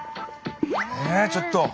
ねえちょっと。